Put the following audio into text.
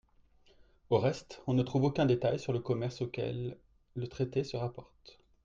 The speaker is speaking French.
Au reste, on ne trouve aucun détail sur le commerce auquel le traité se rapporte.